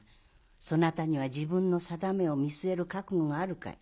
そなたには自分の運命を見据える覚悟があるかい？